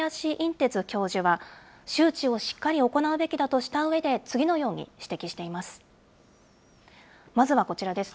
てつ教授は、周知をしっかり行うべきだとしたうえで、次のように指摘しています。